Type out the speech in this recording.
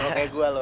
kayak gue lu